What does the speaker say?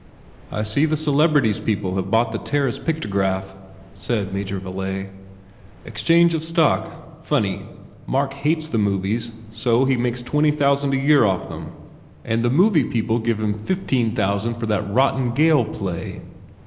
"I see the Celebrities people have bought the Terriss Pictograph," said Major Viilay, "Ex change of stock. Funny. Mark hates the movies so and he makes twenty thousand a year 106 MARGOT out of them. And the movie people gave him fifteen thousand for that rotten Gail play.